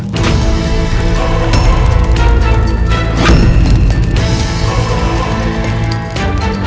setelah menemukan anang